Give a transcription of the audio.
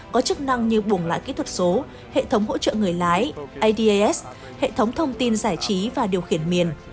có chức năng như bùng lại kỹ thuật số hệ thống hỗ trợ người lái adas hệ thống thông tin giải trí và điều khiển miền